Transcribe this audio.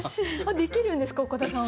できるんですか岡田さんは？